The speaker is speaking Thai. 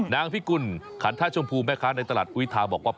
นางพิกุลขันท่าชมพูแม่คะในตลาดอุทาบอกว่า